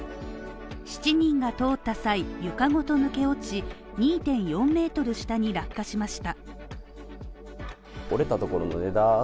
７人が通った際、床ごと抜け落ち、２．４ｍ下に落下しました。